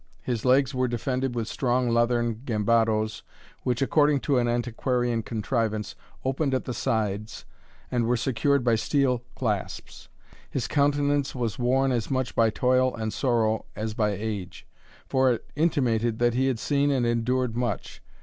His legs were defended with strong leathern gambadoes, which, according to an antiquarian contrivance, opened at the sides, and were secured by steel clasps. His countenance was worn as much by toil and sorrow as by age, for it intimated that he had seen and endured much.